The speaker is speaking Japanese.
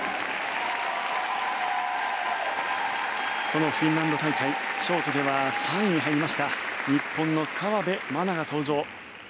このフィンランド大会ショートでは３位に入りました日本の河辺愛菜が登場。